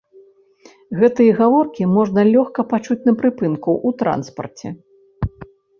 Гэтыя гаворкі можна лёгка пачуць на прыпынку, у транспарце.